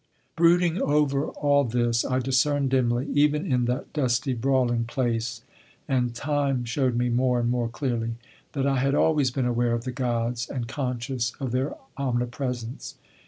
Brooding over all this I discerned dimly, even in that dusty, brawling place, and time showed me more and more clearly, that I had always been aware of the Gods and conscious of their omnipresence.